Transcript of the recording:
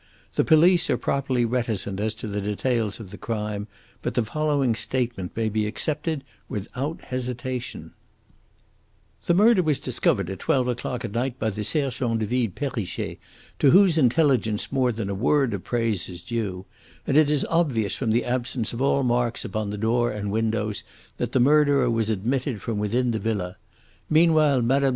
The police are properly reticent as to the details of the crime, but the following statement may be accepted without hesitation: "The murder was discovered at twelve o'clock at night by the sergent de ville Perrichet, to whose intelligence more than a word of praise is due, and it is obvious from the absence of all marks upon the door and windows that the murderer was admitted from within the villa. Meanwhile Mme.